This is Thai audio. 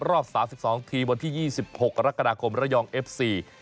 รอบสามสิบสองทีบนที่ยี่สิบหกรักฎาคมระยองเอฟซี